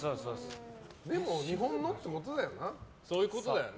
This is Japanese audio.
でも日本のってことだよな。